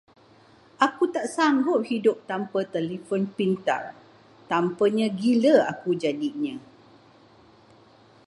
Aku tak sanggup hidup tanpa telefon pintar, tanpanya gila aku jadinya.